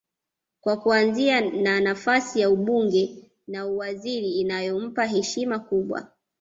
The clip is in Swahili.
kwa kuanzia na nafasi ya ubunge na uwaziri inayompa heshima kubwa